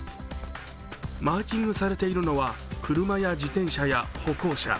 マーキングされているのは車や自転車や歩行者。